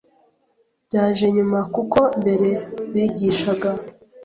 byaje nyuma kuko mbere bigishaga